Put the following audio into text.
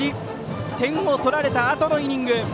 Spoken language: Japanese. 点を取られたあとのイニング。